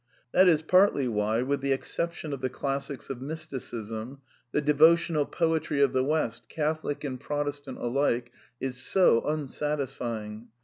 That is partly why, with the ception of the classics of Mysticism, the devotional poetry of the West, Catholic and Protestant alike, is so unsatisfy ing.